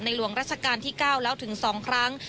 หลวงราชการที่๙แล้วถึง๒ครั้ง